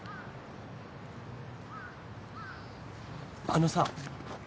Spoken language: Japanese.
あのさ。